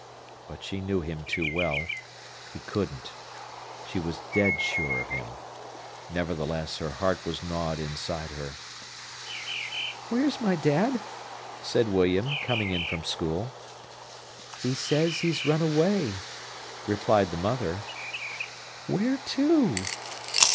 But she knew him too well—he couldn't. She was dead sure of him. Nevertheless her heart was gnawed inside her. "Where's my dad?" said William, coming in from school. "He says he's run away," replied the mother. "Where to?"